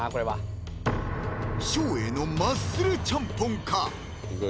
照英のマッスルちゃんぽんか？